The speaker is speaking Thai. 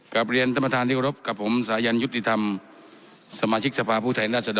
กลับเรียนท่านประธานที่กรบกับผมสายันยุติธรรมสมาชิกสภาพผู้แทนราชดร